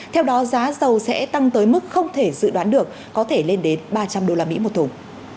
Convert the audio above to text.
theo đó giá dầu sẽ tăng tới mức không thể dự đoán được có thể lên đến ba trăm linh đô la mỹ một thùng